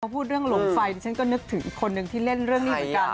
จะพูดเรื่องโหลมไฟชั้นก็นึกถึงอีกคนหนึ่งที่เล่นเรื่องนี้บริการ